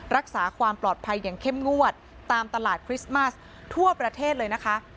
รักษาความปลอดภัยอย่างเข้มงวดตามตลาดคริสต์มัสทั่วประเทศเลยนะคะ